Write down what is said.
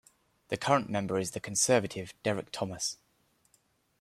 The current member is the Conservative, Derek Thomas.